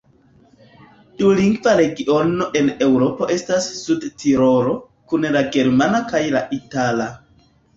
Dulingva regiono en Eŭropo estas Sudtirolo, kun la germana kaj la itala.